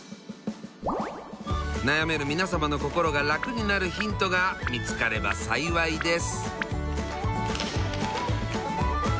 悩める皆様の心がラクになるヒントが見つかれば幸いです。